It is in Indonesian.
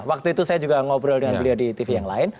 waktu itu saya juga ngobrol dengan beliau di tv yang lain